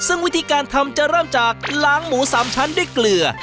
ซึ่งวิธีการทำจะเริ่มจากล้างหมู๓ชั้นด้วยเกลือ